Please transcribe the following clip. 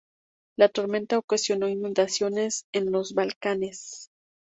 La tormenta ocasionó inundaciones en los Balcanes.